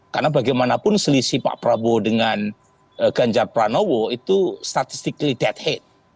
karena bagaimanapun selisih pak prabowo dengan ganjar pranowo itu statistiknya deadhead